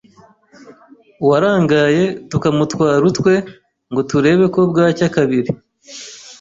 uwarangaye tukamutwara utwe ngo turebe ko bwacya kabiri.